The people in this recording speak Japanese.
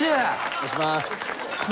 お願いします。